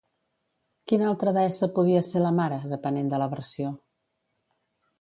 Quina altra deessa podia ser la mare, depenent de la versió?